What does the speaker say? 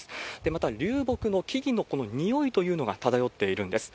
また、流木の木々のこの臭いというのが漂っているんです。